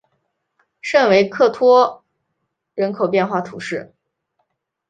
圣维克托人口变化图示